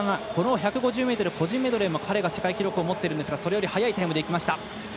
１５０ｍ個人メドレーも彼が世界記録持っているんですがそれより早いタイムでいきました。